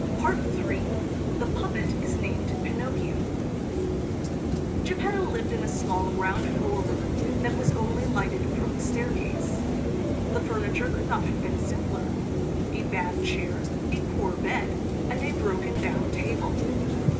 III THE PUPPET IS NAMED PINOCCHIO Geppetto lived in a small ground floor room that was only lighted from the staircase. The furniture could not have been simpler a bad chair, a poor bed, and a broken down table.